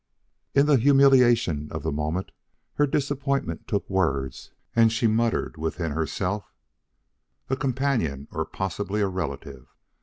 In the humiliation of the moment, her disappointment took words and she muttered within herself: "A companion or possibly a relative.